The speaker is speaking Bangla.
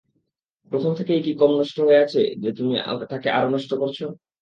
প্রথম থেকেই কি কম নষ্ট হয়ে আছে যে তুমি তাকে আরও নষ্ট করছো?